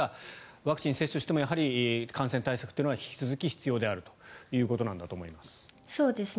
ワクチン接種してもやはり感染対策というのは引き続き、必要であるということなんだと思います。